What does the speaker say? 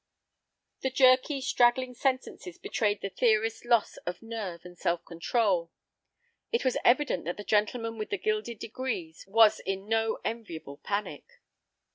The jerky, straggling sentences betrayed the theorist's loss of nerve and self control. It was evident that the gentleman with the gilded degrees was in no enviable panic.